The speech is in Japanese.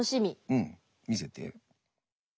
うん見せて。